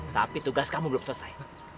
tapi tugas kamu belum selesai